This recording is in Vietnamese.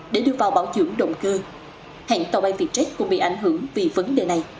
để đưa vào bảo dưỡng động cơ hãng tàu bay vietjet cũng bị ảnh hưởng vì vấn đề này